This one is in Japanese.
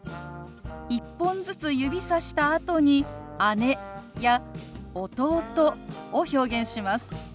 １本ずつ指さしたあとに「姉」や「弟」を表現します。